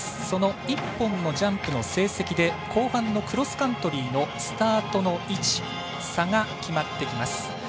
その１本のジャンプの成績で、後半のクロスカントリーのスタートの位置差が決まってきます。